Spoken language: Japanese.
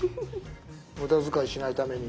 無駄遣いしないために。